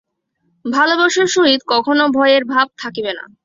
ভালবাসার সহিত কখনও ভয়ের ভাব থাকিবে না।